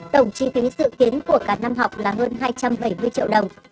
tổng chi phí dự kiến của cả năm học là hơn hai trăm bảy mươi triệu đồng